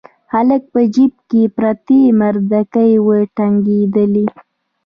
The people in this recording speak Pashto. هلک په جيب کې پرتې مردکۍ وټکېدې.